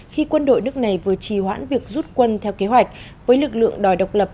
khi quân đội nước này vừa trì hoãn việc rút quân theo kế hoạch với lực lượng đòi độc lập